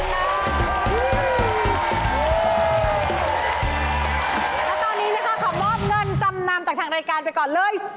แล้วตอนนี้นะคะขอมอบเงินจำนำจากทางรายการไปก่อนเลย